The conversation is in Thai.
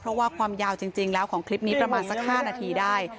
เพราะว่าความยาวจริงแล้วของคลิปนี้ประมาณสัก๕นาทีได้